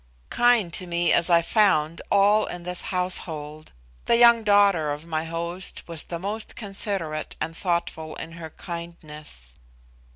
Kind to me as I found all in this household, the young daughter of my host was the most considerate and thoughtful in her kindness.